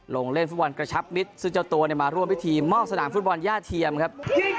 ลงเล่นฟุตบอลกระชับมิตรซึ่งเจ้าตัวมาร่วมพิธีมอบสนามฟุตบอลย่าเทียมครับ